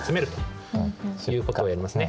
そういうことをやりますね。